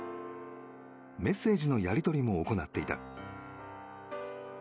メッセージのやり取りも行っていた。